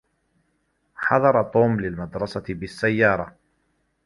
حضر توم للمدرسة بالسيارة